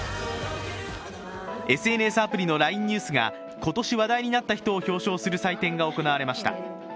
ＳＮＳアプリのＬＩＮＥＮＥＷＳが今年話題になった人を表彰する祭典が行われました。